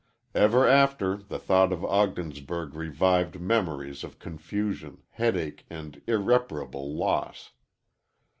Ever after the thought of Ogdensburg revived memories of confusion, headache, and irreparable loss.